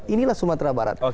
inilah sumatera barat